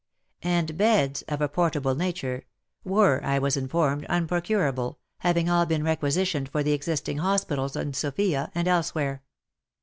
And beds — of a portable nature — were, I was informed, unprocurable, having all been requisitioned for the existing hospitals in Sofia and elsewhere.